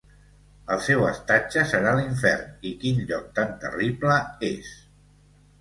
El seu estatge serà l'infern, i quin lloc tan terrible és!